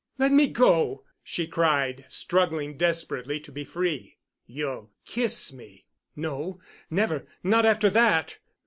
"Let me go!" she cried, struggling desperately to be free. "You'll kiss me." "No—never, not after that."